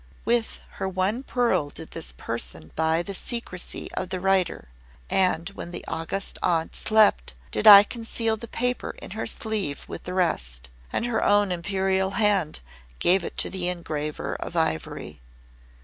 "With her one pearl did this person buy the secrecy of the writer; and when the August Aunt slept, did I conceal the paper in her sleeve with the rest, and her own Imperial hand gave it to the engraver of ivory."